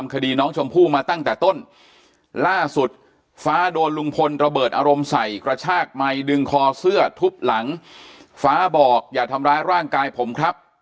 คนระเบิดอารมณ์ใส่กระชากมัยดึงคอเสื้อทุบหลังฟ้าบอกอย่าทำร้ายร่างกายผมครับ